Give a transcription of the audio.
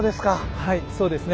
はいそうですね。